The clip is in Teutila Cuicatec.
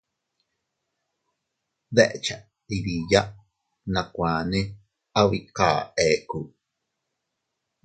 Deche iydiya, nakuane abika ekku.